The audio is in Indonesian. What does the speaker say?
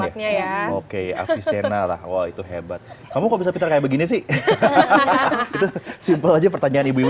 ya oke afri sena lah wah itu hebat kamu kok bisa pinter kayak begini sih simpel aja pertanyaan ibu